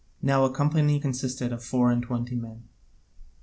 (Now a company consisted of four and twenty men.)